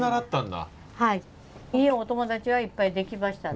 いいお友達はいっぱい出来ましたね。